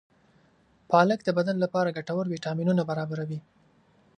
پالک د بدن لپاره ګټور ویټامینونه برابروي.